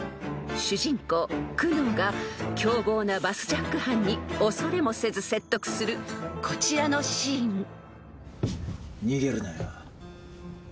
［主人公久能が凶暴なバスジャック犯に恐れもせず説得するこちらのシーン］